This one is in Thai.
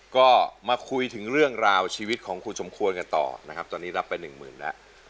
ก็มาคุยถึงเรื่องราวชีวิตของคุณสมควรกันต่อนะครับตอนนี้รับไปหนึ่งหมื่นแล้ว